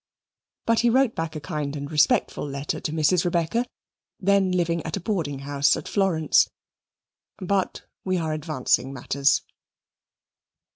But he wrote back a kind and respectful letter to Mrs. Rebecca, then living at a boarding house at Florence. But we are advancing matters.